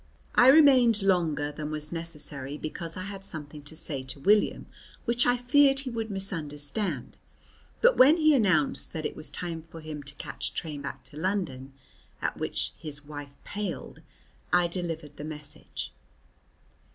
I remained longer than was necessary because I had something to say to William which I feared he would misunderstand, but when he announced that it was time for him to catch a train back to London, at which his wife paled, I delivered the message.